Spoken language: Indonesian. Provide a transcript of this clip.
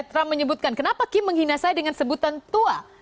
trump menyebutkan kenapa kim menghina saya dengan sebutan tua